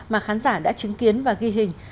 mà khán giả đã chứng kiến và ghi hình